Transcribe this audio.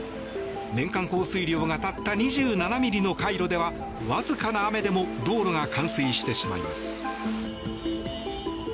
年間降水量がたった２７ミリのカイロではわずかな雨でも道路が冠水してしまいます。